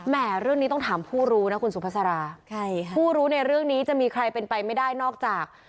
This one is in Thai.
เรื่องนี้ต้องถามผู้รู้นะคุณสุภาษาผู้รู้ในเรื่องนี้จะมีใครเป็นไปไม่ได้นอกจาก